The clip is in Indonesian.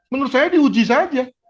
menurut saya di uji saja